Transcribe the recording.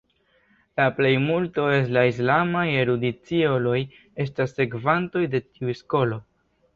La plejmulto el la islamaj erudiciuloj estas sekvantoj de tiu skolo.